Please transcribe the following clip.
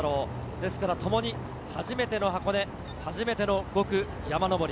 ですからともに初めての箱根、初めての５区・山上り。